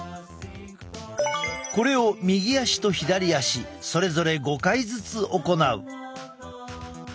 これを右足と左足それぞれ５回ずつ行う。